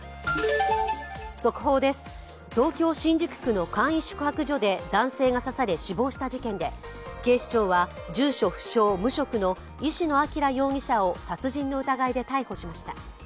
速報です、東京・新宿区の簡易宿泊所で男性が刺され、死亡した事件で警視庁は、住所不詳・無職の石野彰容疑者を殺人の疑いで逮捕しました。